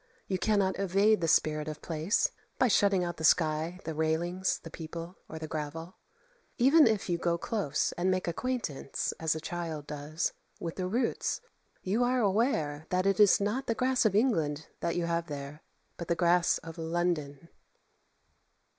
You cannot evade the spirit of place by shutting out the sky, the railings, the people, or the gravel. Even if you go close and make acquaintance, as a child does, with the roots, you are aware that it is not the grass of England that you have there, but the grass of London.